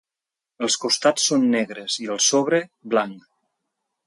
Els costats són negres, i el sobre, blanc.